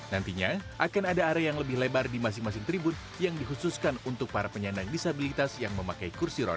nantinya akan ada area yang lebih lebar di masing masing tribun yang dikhususkan untuk para penyandang disabilitas yang memakai kursi roda